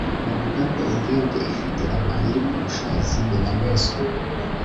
bavuga ko imbwebwe ifite amayeri kurusha izindi nyamaswa